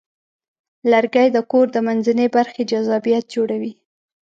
لرګی د کور د منځنۍ برخې جذابیت جوړوي.